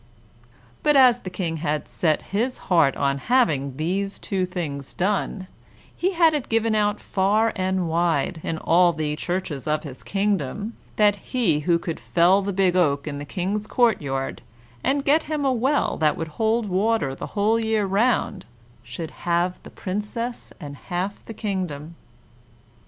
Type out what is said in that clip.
But as the King had set his heart on having these two things done, he had it given out far and wide, in all the churches of his kingdom, that he who could fell the big oak in the King's courtyard, and get him a well that would hold water the whole year round, should have the Princess and half the kingdom.